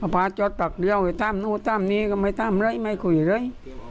พาจกเลี่ยวไปต้ามนนู้นตามนี้ก็มาต้ามอะไรไม่คุยเลย